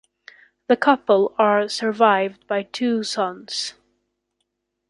The couple are survived by two sons.